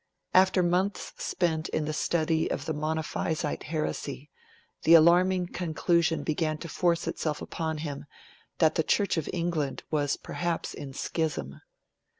After months spent in the study of the Monophysite heresy, the alarming conclusion began to force itself upon him that the Church of England was perhaps in schism.